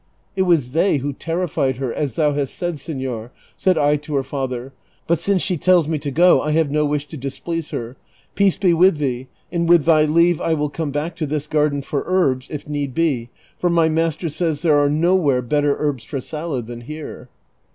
" It was they who ten itied her, as thou hast said, senor," said 1 to her father ;" but since she tells me to go, I have no wish to displease her: peace be with thee, and with thy leave I will come back to this garden for herbs if need be, for my master says there are nowhere better herbs for salad than here."